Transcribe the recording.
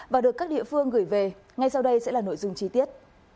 và được các địa phương gửi về ngay sau đây sẽ là nội dung chi tiết